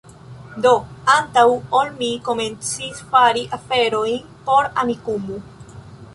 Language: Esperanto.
Do, antaŭ ol mi komencis fari aferojn por Amikumu